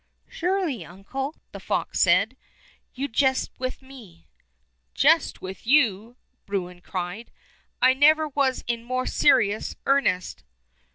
"Surely, uncle," the fox said, "you jest with me." "Jest with you!" Bruin cried. "I never was in more serious earnest."